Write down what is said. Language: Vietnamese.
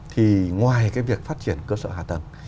thì ngoài cái việc phát triển cơ sở hạ tầng